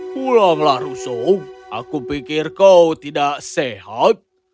pulanglah russo aku pikir kau tidak sehat